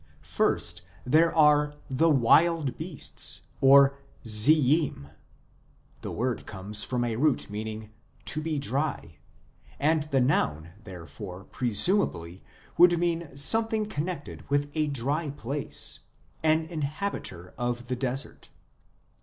First, there are the " wild beasts " or Ziyyim ; the word comes from a root meaning "to be dry," and the noun therefore presumably would mean something connected with a dry place, an inhabiter of the desert.